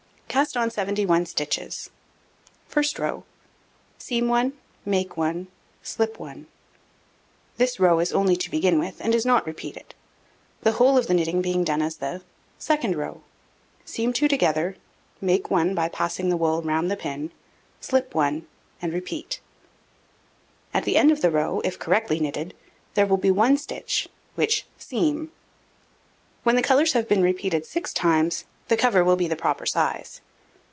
Cast on 71 stitches. First row: Seam 1, make 1, slip 1: this row is only to begin with, and is not repeated, the whole of the knitting being done as the Second row: Seam 2 together, make 1, by passing the wool round the pin, slip 1, and repeat. At the end of the row, if correctly knitted, there will be 1 stitch, which seam. When the colours have been repeated 6 times, the cover will be the proper size.